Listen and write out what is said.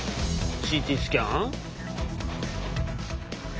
ＣＴスキャン？